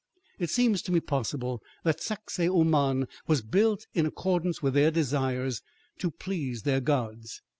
It seems to me possible that Sacsahuaman was built in accordance with their desires to please their gods.